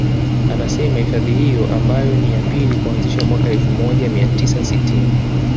Anasema hifadhi hiyo ambayo ni ya pili kuanzishwa mwaka elfu moja mia tisa sitini